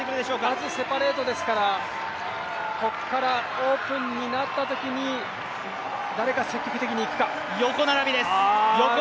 まずセパレートですからここからオープンになったときに誰が積極的にいくか。